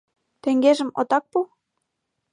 Теҥгежым отак пу?